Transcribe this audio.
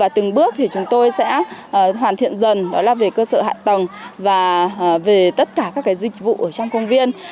từng bước chúng tôi sẽ hoàn thiện dần về cơ sở hạ tầng và về tất cả các dịch vụ trong công viên